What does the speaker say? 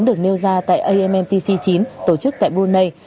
được nêu ra tại ammtc chín tổ chức tại brunei